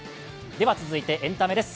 では、続いてエンタメです。